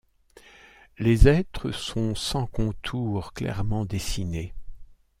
Les êtres sont sans contour clairement dessiné.